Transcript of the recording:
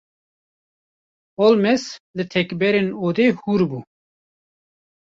Holmes li tekberên odê hûr bû.